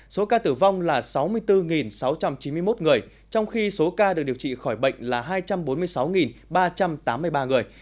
số ca tử vong là sáu mươi bốn sáu trăm chín mươi một người trong khi số ca được điều trị khỏi bệnh là hai trăm bốn mươi sáu ba trăm tám mươi ba người